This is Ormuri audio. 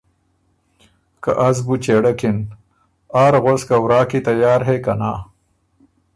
که از بُو چېړکِن۔ آر غؤس که ورا کی تیار هئ که نا،